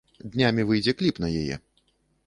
Днямі выйдзе кліп на яе.